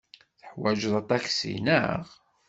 Teḥwajeḍ aṭaksi, naɣ?